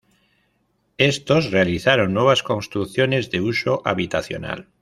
Estos realizaron nuevas construcciones de uso habitacional.